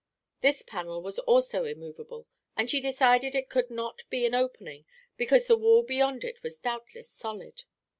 This panel was also immovable and she decided it could not be an opening because the wall beyond it was doubtless solid.